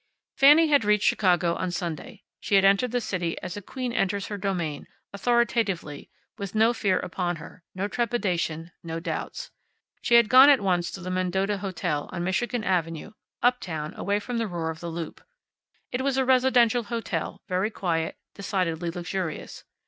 Fanny had reached Chicago on Sunday. She had entered the city as a queen enters her domain, authoritatively, with no fear upon her, no trepidation, no doubts. She had gone at once to the Mendota Hotel, on Michigan Avenue, up town, away from the roar of the loop. It was a residential hotel, very quiet, decidedly luxurious.